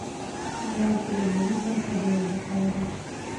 دا ګرامري برخه ډېره ګټوره ده.